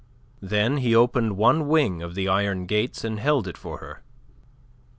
Then he opened one wing of the iron gates, and held it for her.